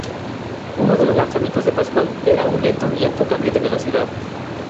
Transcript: Uno de los lanzamientos de "Pascual" era un lento y alto cambio de velocidad.